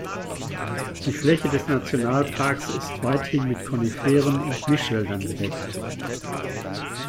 Die Fläche des Nationalparks ist weithin mit Koniferen- und Mischwäldern bedeckt.